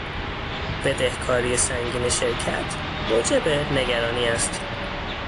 بدهکاری سنگین شرکت موجب نگرانی است.